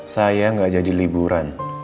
saya gak jadi liburan